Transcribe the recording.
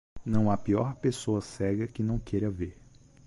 Não há pior pessoa cega que não queira ver.